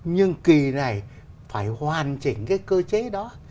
nhưng kỳ này phải hoàn chỉnh cái cơ chế đó